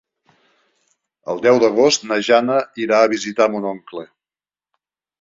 El deu d'agost na Jana irà a visitar mon oncle.